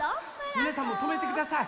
みなさんもとめてください！